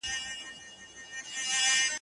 هوښيار سياستوال خپل محدوديتونه پېژني.